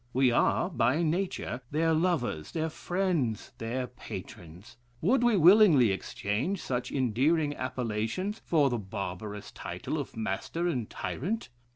We are, by nature, their lovers, their friends, their patrons. Would we willingly exchange such endearing appellations for the barbarous title of master and tyrant?